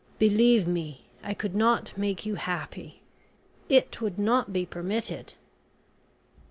Believe me I could not make you happy, it would not be permitted."